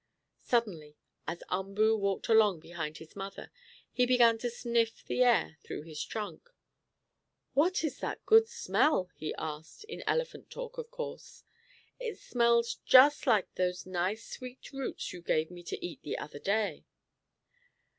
Suddenly, as Umboo walked along behind his mother, he began to sniff the air through his trunk. "What is that good smell?" he asked, in elephant talk, of course. "It smells just like those nice, sweet roots you gave me to eat the other day."